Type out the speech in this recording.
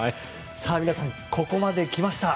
皆さん、ここまで来ました。